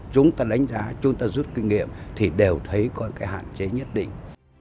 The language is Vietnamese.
chúng ta đánh giá chúng ta rút kinh nghiệm thì đều thấy có cái hạn chế nhất định